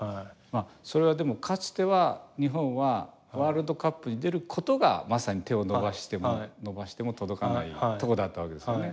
それはでも、かつては日本はワールドカップに出ることがまさに手を伸ばしても伸ばしても届かないとこだったわけですよね。